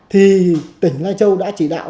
thì tỉnh lai châu đã chỉ đạo